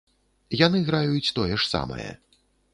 Яны граюць тое ж самае.